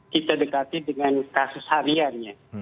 kita dekati dengan kasus hariannya